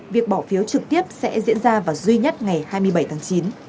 việc bỏ phiếu trực tiếp sẽ diễn ra vào duy nhất ngày hai mươi bảy tháng chín